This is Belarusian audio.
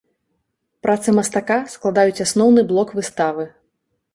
Працы мастака складаюць асноўны блок выставы.